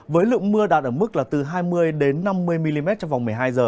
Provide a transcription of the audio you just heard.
với lượng mưa đạt ở mức là từ hai mươi năm mươi mm trong vòng một mươi hai h